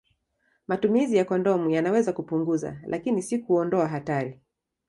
Matumizi ya kondomu yanaweza kupunguza, lakini si kuondoa hatari.